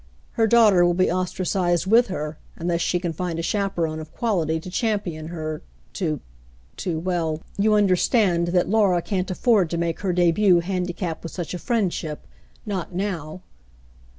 Her daughter will be ostracized with her, unless she can find a chaperone of quality to champion her — to — to — well, you under stand that Laura can't afford to make her debut handi capped with such a friendship. Not now."